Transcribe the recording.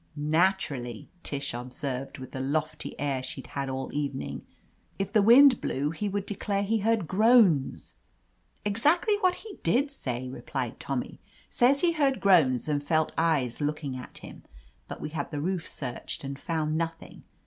"Naturally," Tish observed, with the lofty air she'd had all evening. "If the wind blew he would declare he heard groans." "Exactly what he did say," replied Tommy. "Says he heard groans and felt eyes looking at him. But we had the roof searched, and found nothing.